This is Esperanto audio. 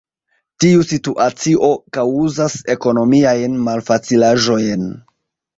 Tiu situacio kaŭzas ekonomiajn malfacilaĵojn.